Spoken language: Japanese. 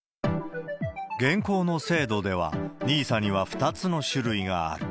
現行の制度では、ＮＩＳＡには２つの種類がある。